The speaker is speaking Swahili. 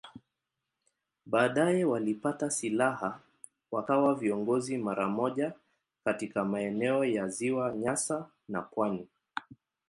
Baadaye walipata silaha wakawa viongozi mara moja katika maeneo ya Ziwa Nyasa na pwani.